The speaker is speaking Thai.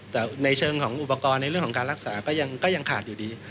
แต่ในเชิงของอุปกรณ์ในเรื่องของการรักษาก็ยังขาดอยู่ดี